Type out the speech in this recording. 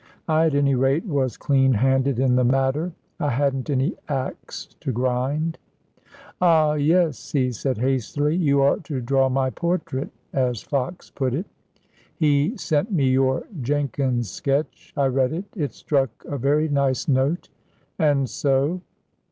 I, at any rate, was clean handed in the matter; I hadn't any axe to grind. "Ah, yes," he said, hastily, "you are to draw my portrait as Fox put it. He sent me your Jenkins sketch. I read it it struck a very nice note. And so